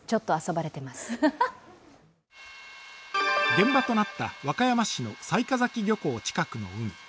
現場となった和歌山市の雑賀崎漁港の近くの海。